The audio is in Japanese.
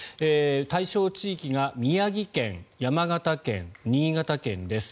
対象地域が宮城県、山形県、新潟県です。